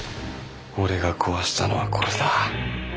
俺が壊したのはこれだ。